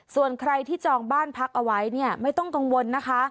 ส่วนใครที่จองบ้านพักเอาไว้เนี่ยไม่ต้องกังวลนะคะ